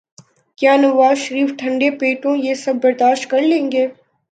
کیا نوازشریف ٹھنڈے پیٹوں یہ سب برداشت کر لیں گے؟